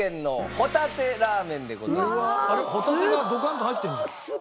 ホタテがドカンと入ってるじゃん。